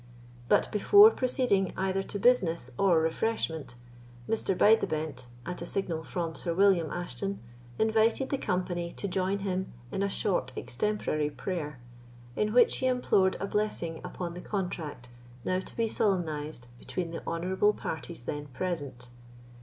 But before proceeding either to business or refreshment, Mr. Bide the Bent, at a signal from Sir William Ashton, invited the company to join him in a short extemporary prayer, in which he implored a blessing upon the contract now to be solemnised between the honourable parties then present.